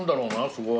すごい。